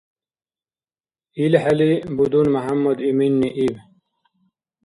ИлхӀели будун МяхӀяммадиминни иб: